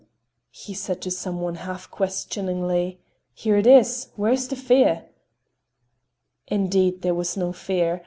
he said to some one half questioningly. "Here it is. Where is the fear?" Indeed there was no fear.